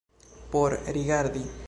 Por rigardi.